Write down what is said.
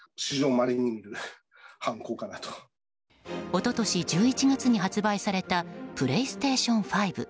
一昨年１１月に発売されたプレイステーション５。